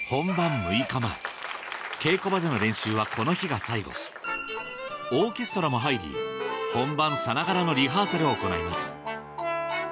稽古場での練習はこの日が最後オーケストラも入り本番さながらのリハーサルを行います